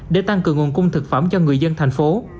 để tăng cường nguồn cung thực phẩm cho người dân thành phố